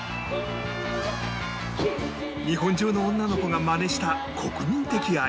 日本中の女の子がマネした国民的アイドル